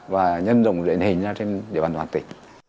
và nhân dùng điện hình ra trên địa bàn hoàng tỉnh